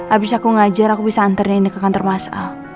abis aku ngajar aku bisa anter ini ke kantor mas a